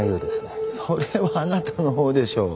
それはあなたの方でしょ。